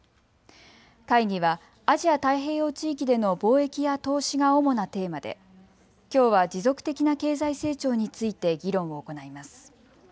会議はアジア太平洋地域での貿易や投資が主なテーマできょうは持続的な経済成長について議論を行います。